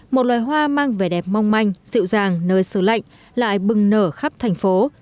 một loài hoa mang vẻ đẹp mong manh dịu dàng nơi sửa lạnh lại bừng nở khắp thành phố